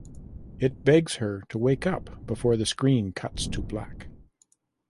It begs her to wake up before the screen cuts to black.